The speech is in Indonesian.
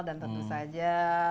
dan tentu saja